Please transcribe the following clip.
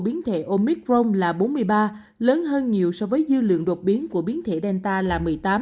biến thể omicron là bốn mươi ba lớn hơn nhiều so với dư lượng đột biến của biến thể delta là một mươi tám